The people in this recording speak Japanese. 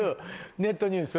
ネットニュース？